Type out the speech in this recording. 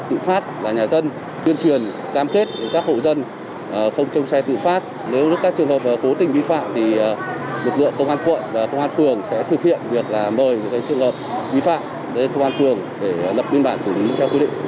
tuy nhiên việc là mời những trường hợp vi phạm đến công an phường để lập biên bản xử lý theo quy định